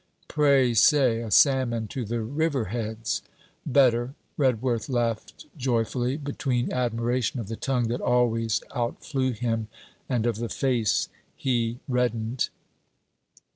'Pray say, a salmon to the riverheads.' 'Better,' Redworth laughed joyfully, between admiration of the tongue that always outflew him, and of the face he reddened.